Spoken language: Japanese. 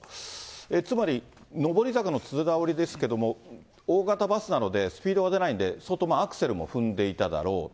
つまり、上り坂のつづら折りですけれども、大型バスなので、スピードは出ないんで、相当アクセル踏んでいただろう。